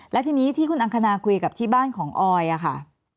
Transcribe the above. และทีนี้ที่คุณอังคณาคุยกับที่บ้านของออยค่ะ